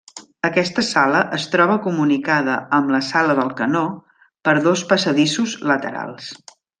Aquesta sala es troba comunicada amb la sala del canó per dos passadissos laterals.